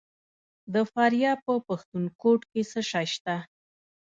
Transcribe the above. د فاریاب په پښتون کوټ کې څه شی شته؟